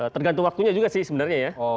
tergantung waktunya juga sih sebenarnya ya